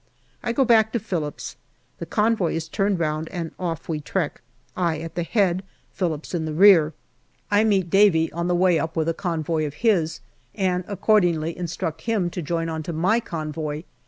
I go back to Phillips ; the convoy is turned round and off we trek, I at the head, Phillips in the rear. I meet Davy on the way up with a convoy of his, and accordingly instruct him to join on to my convoy.